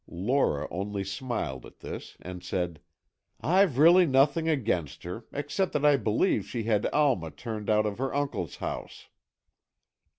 Lora only smiled at this, and said: "I've really nothing against her, except that I believe she had Alma turned out of her uncle's house."